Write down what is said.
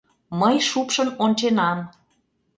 Мый шупшын онченам.